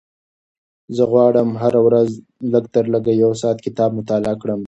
زه غواړم هره ورځ لږترلږه یو ساعت کتاب مطالعه کړم.